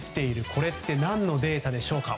これって何のデータでしょうか。